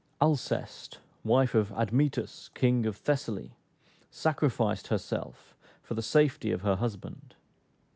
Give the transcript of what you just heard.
Alceste, wife of Admetus king of Thessaly, sacrificed herself for the safety of her husband.